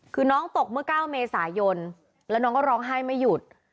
คือน้องตกเมื่อ๙เมษายนแล้วน้องก็ร้องไห้ไม่หยุด